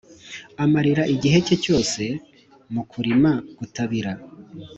amarira igihe cye cyose mu kurima, gutabira,